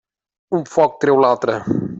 Un foc treu l'altre.